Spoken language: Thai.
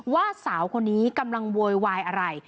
ว่าสาวคนนี้กำลังโวยวายอะไร